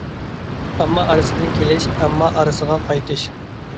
ئامما ئارىسىدىن كېلىش، ئامما ئارىسىغا قايتىش.